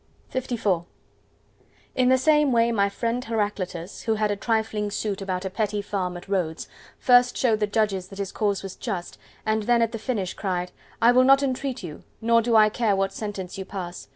LIV In the same way my friend Heraclitus, who had a trifling suit about a petty farm at Rhodes, first showed the judges that his cause was just, and then at the finish cried, "I will not entreat you: nor do I care what sentence you pass.